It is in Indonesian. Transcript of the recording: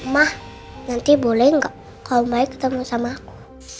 ma nanti boleh gak om baik ketemu sama aku